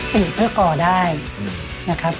ปีกเพื่อก่อได้นะครับ